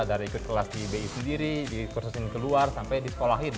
dari ke kelas di bi sendiri dikursusin keluar sampai disekolahin